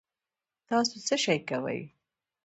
تاسو څه شئ کوی